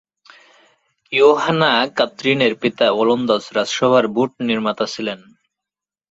ইয়োহানা-কাত্রিনের পিতা ওলন্দাজ রাজসভার বুট নির্মাতা ছিলেন।